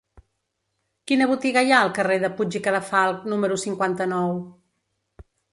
Quina botiga hi ha al carrer de Puig i Cadafalch número cinquanta-nou?